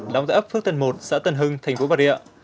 đóng tại ấp phước tân một xã tân hưng thành phố bà rịa